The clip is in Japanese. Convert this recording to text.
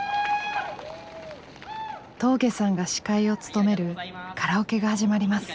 峠さんが司会を務めるカラオケが始まります。